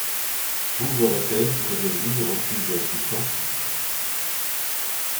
Trouverait-elle près de lui refuge et assistance?